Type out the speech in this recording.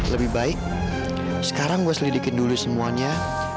lebih baik sekarang gua selidiki dulu semuanya